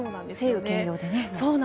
晴雨兼用でね。